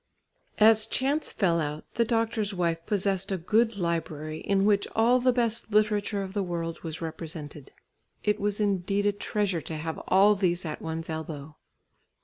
As chance fell out, the doctor's wife possessed a good library in which all the best literature of the world was represented. It was indeed a treasure to have all these at one's elbow!